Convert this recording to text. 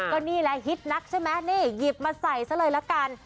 ก็นี่แหละฮิตนักใช่ไหมนี่หยิบมาใส่ซะเลยละกัน